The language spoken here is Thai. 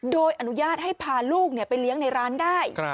โดยอนุญาตให้พาลูกไปเลี้ยงในร้านได้